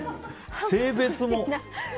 性別も。